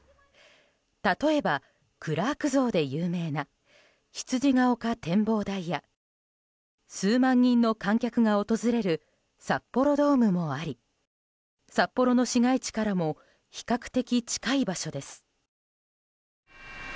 例えば、クラーク像で有名な羊ヶ丘展望台や数万人の観客が訪れる札幌ドームもあり札幌の市街地からも比較的近い場所です。